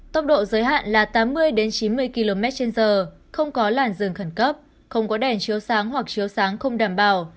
tốc độ giới hạn là tám mươi chín mươi kmh không có làn dừng khẩn cấp không có đèn chiếu sáng hoặc chiếu sáng không đảm bảo